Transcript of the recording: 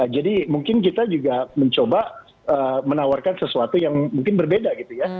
jadi mungkin kita juga mencoba menawarkan sesuatu yang mungkin berbeda gitu ya